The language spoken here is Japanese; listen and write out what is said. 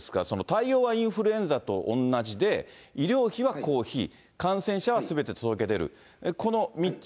対応はインフルエンザと同じで、医療費は公費、感染者はすべて届け出る。